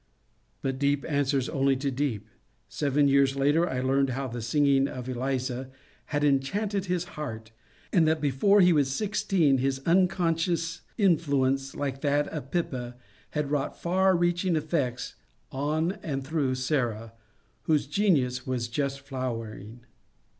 But deep answers only to deep. Seven years later I learned how the singing of Eliza had enchanted his heart; and that before he was sixteen his unconscious influence, like that of Pippa, had wrought far reaching effects on and through Sarah, whose genius was just flowering.